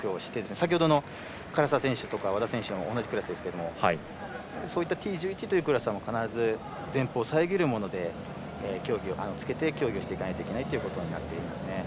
先ほどの唐澤選手とか和田選手と同じクラスですけれどもＴ１１というクラスは必ず前方を遮るものをつけて競技をしなくてはいけないことになっていますね。